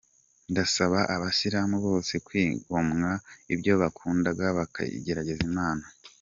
Ndasaba Abasilamu bose kwigomwa ibyo bakundaga bakiyegereza Imana.